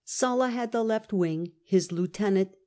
Sulla had the left wing, his lieutenant, M.